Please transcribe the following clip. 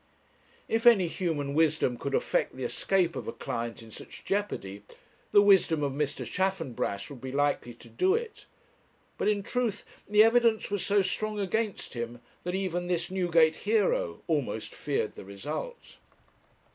If any human wisdom could effect the escape of a client in such jeopardy, the wisdom of Mr. Chaffanbrass would be likely to do it; but, in truth, the evidence was so strong against him, that even this Newgate hero almost feared the result.